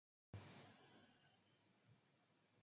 وہ دل جوں شمعِ بہرِ دعوت نظارہ لا‘ جس سے